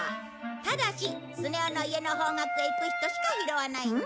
ただしスネ夫の家の方角へ行く人しか拾わないんだ。